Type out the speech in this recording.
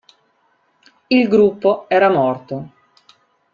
Il gruppo era morto.